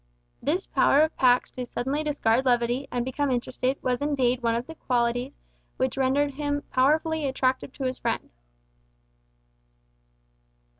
This power of Pax to suddenly discard levity, and become interested, was indeed one of the qualities which rendered him powerfully attractive to his friend.